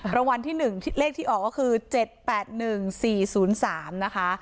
รางวัลที่๑เลขที่ออกก็คือ๗๘๑๔๐๓นะคะ